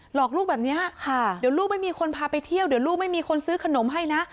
อกลูกแบบนี้ค่ะเดี๋ยวลูกไม่มีคนพาไปเที่ยวเดี๋ยวลูกไม่มีคนซื้อขนมให้นะ